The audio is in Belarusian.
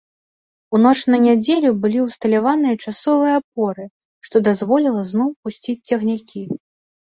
У ноч на нядзелю былі ўсталяваныя часовыя апоры, што дазволіла зноў пусціць цягнікі.